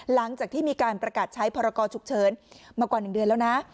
หลังจากที่มีการประกาศใช้พรกรฉุกเฉินมากว่า๑เดือนแล้วนะ